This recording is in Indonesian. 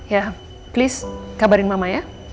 ya please kabarin mama ya